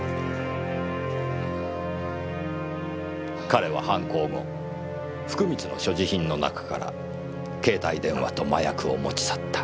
彼は犯行後福光の所持品の中から携帯電話と麻薬を持ち去った。